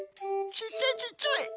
ちっちゃいちっちゃい」。